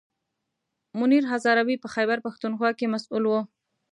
منیر هزاروي په خیبر پښتونخوا کې مسوول و.